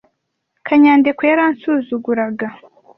kanyandekwe yaransuzuguraga.